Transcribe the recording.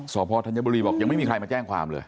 สพธัญบุรีบอกยังไม่มีใครมาแจ้งความเลย